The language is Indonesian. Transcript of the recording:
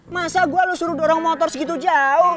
masa gue suruh dorong motor segitu jauh